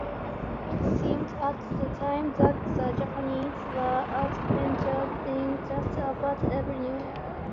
It seemed at the time that the Japanese were advancing just about everywhere.